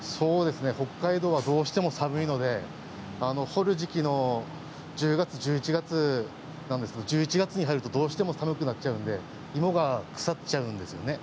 北海道はどうしても寒いので掘る時期の１０月１１月に入ると、どうしても寒くなっちゃうので芋が腐っちゃうんですよね。